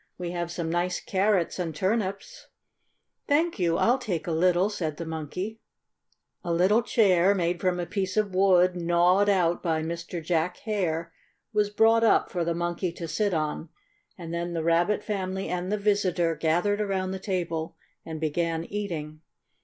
We have some nice carrots and turnips." "Thank you, I'll take a little," said the Monkey. A little chair, made from a piece of wood gnawed out by Mr. Jack Hare, was brought up for the Monkey to sit on, and then the Rabbit family and the visitor gathered around the table and began eating.